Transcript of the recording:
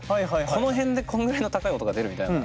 この辺でこんぐらいの高い音が出るみたいな。